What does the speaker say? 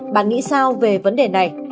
bạn nghĩ sao về vấn đề này